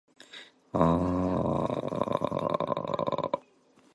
When built, the Bellagio was the most expensive hotel in the world.